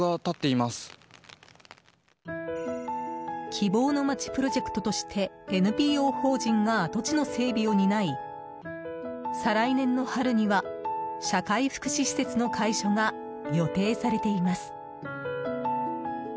希望のまちプロジェクトとしてＮＰＯ法人が跡地の整備を担い再来年の春には社会福祉施設の開所が予定されています。